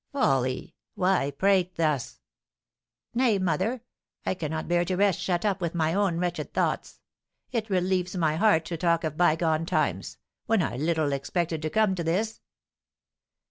"Folly! Why prate thus?" "Nay, mother, I cannot bear to rest shut up with my own wretched thoughts! It relieves my heart to talk of bygone times, when I little expected to come to this."